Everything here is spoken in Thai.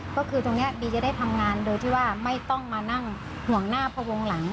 ก็คือตรงนี้บีจะได้ทำงานโดยที่ว่าไม่ต้องมานั่งห่วงหน้าพระวงหลัง